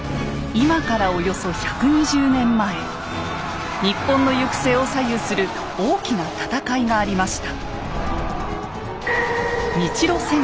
今からおよそ１２０年前日本の行く末を左右する大きな戦いがありました。